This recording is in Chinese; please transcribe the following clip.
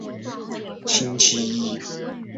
嗨，我们星期日十点在地铁站见好吗？